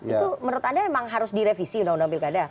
itu menurut anda memang harus direvisi undang undang pilkada